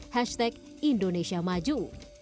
hashtag indonesia maju